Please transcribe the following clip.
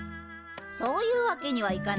そういうわけにはいかないわ。